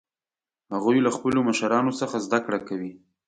هغوی له خپلو مشرانو څخه زده کړه کوي